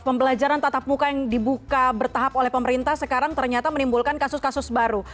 pembelajaran tatap muka yang dibuka bertahap oleh pemerintah sekarang ternyata menimbulkan kasus kasus baru